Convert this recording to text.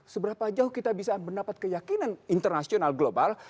seberapa jauh kita bisa mendapat keyakinan internasional global